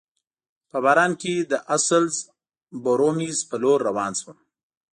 په باران کي د اسلز بورومیز په لور روان شوم.